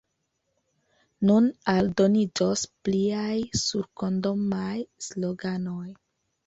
Nun aldoniĝos pliaj surkondomaj sloganoj.